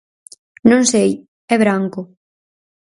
Non sei; é branco.